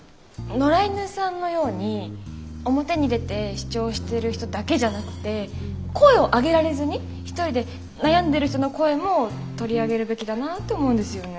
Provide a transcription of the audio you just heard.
野良犬さんのように表に出て主張してる人だけじゃなくて声を上げられずに一人で悩んでる人の声も取り上げるべきだなって思うんですよね。